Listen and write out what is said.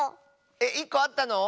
えっ１こあったの？